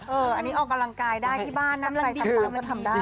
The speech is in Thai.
อันนี้ออกกำลังกายได้ที่บ้านนะใครทำตามก็ทำได้